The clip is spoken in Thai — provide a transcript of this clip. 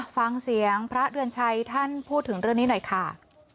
ฟังเสียงพระเดือนชัยท่านพูดถึงเรื่องนี้หน่อยค่ะ